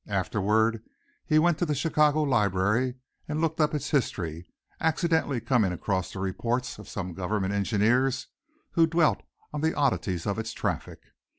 Afterward he went to the Chicago library and looked up its history accidentally coming across the reports of some government engineers who dwelt on the oddities of its traffic.